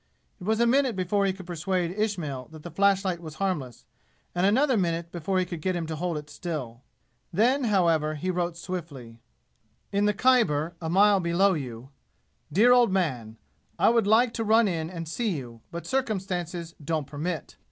It was a minute before he could persuade Ismail that the flashlight was harmless, and another minute before he could get him to hold it still. Then, however, he wrote swiftly. "In the Khyber, a mile below you. "Dear Old Man I would like to run in and see you, but circumstances don't permit.